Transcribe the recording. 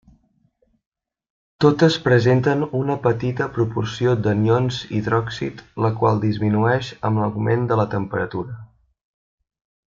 Totes presenten una petita proporció d'anions hidròxid, la qual disminueix amb l'augment de la temperatura.